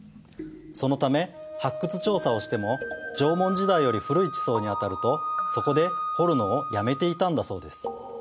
そのため発掘調査をしても縄文時代より古い地層に当たるとそこで掘るのをやめていたんだそうです。